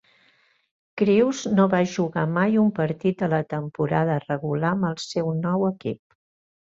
Crews no va jugar mai un partit de la temporada regular amb el seu nou equip.